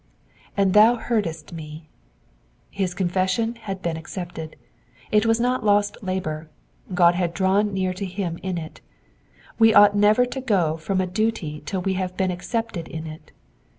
^^And thou heardesi m^." His confession had been accepted ; it was not lost labour ; God had drawn near to him in it. We ought never to go from a duty till we have been accepted in it.